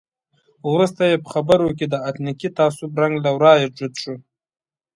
وروسته یې په خبرو کې د اتنیکي تعصب رنګ له ورایه جوت شو.